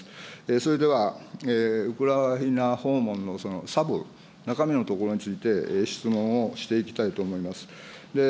それでは、ウクライナ訪問のサブ、中身のところについて質問をしていきたいと思います。